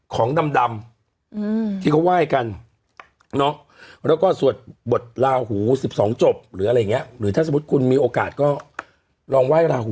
ของดำที่เขาไหว้กัน